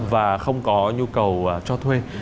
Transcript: và không có nhu cầu cho thuê